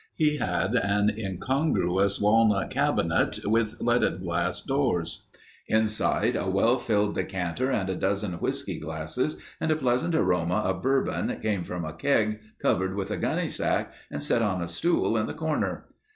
He had an incongruous walnut cabinet with leaded glass doors. Inside, a well filled decanter and a dozen whiskey glasses and a pleasant aroma of bourbon came from a keg covered with a gunny sack and set on a stool in the corner.